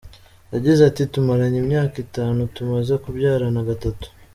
Yagize ati “Tumaranye imyaka itanu tumaze kubyarana gatatu.